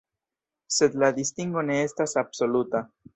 Sed la distingo ne estas absoluta.